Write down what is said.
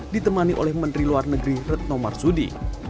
ditemani oleh menteri luar negeri retno marsudi